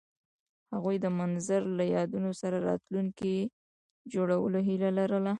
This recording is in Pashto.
هغوی د منظر له یادونو سره راتلونکی جوړولو هیله لرله.